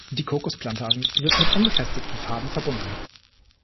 Die Kokosplantagen sind mit unbefestigten Pfaden verbunden.